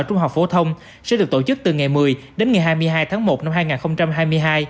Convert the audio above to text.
trung học phổ thông sẽ được tổ chức từ ngày một mươi đến ngày hai mươi hai tháng một năm hai nghìn hai mươi hai